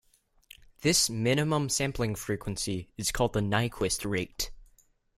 This minimum sampling frequency is called the Nyquist rate.